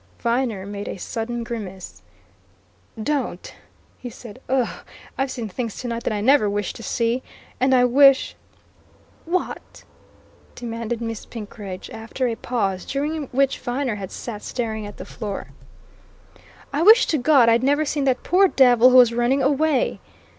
Viner made a sudden grimace. "Don't!" he said. "Ugh! I've seen things tonight that I never wished to see! And I wish " "What?" demanded Miss Penkridge after a pause, during which Viner had sat staring at the floor. "I wish to God I'd never seen that poor devil who was running away!"